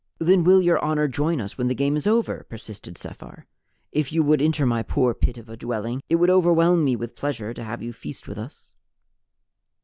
"Then will Your Honor join us when the game is over?" persisted Sephar. "If you would enter my poor pit of a dwelling, it would overwhelm me with pleasure to have you feast with us."